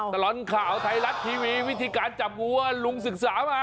ตลอดข่าวไทยรัฐทีวีวิธีการจับวัวลุงศึกษามา